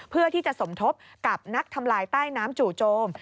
เพื่อที่จะสมทบกับนักทำลายใต้น้ำจู่โจม